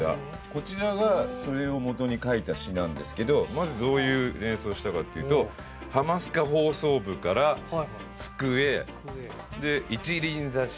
こちらがそれを元に書いた詩なんですけどまずどういう連想したかっていうと「ハマスカ放送部」から「机」で「一輪挿し」。